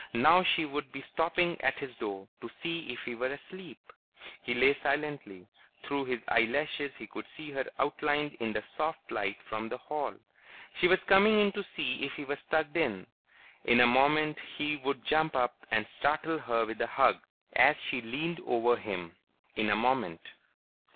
Now she would be stopping at his door to see if he were asleep. He lay silently; through his eyelashes he could see her outlined in the soft light from the hall. She was coming in to see if he was tucked in. In a moment he would jump up and startle her with a hug, as she leaned over him. In a moment....